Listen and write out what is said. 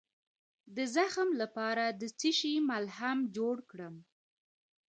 د زخم لپاره د څه شي ملهم جوړ کړم؟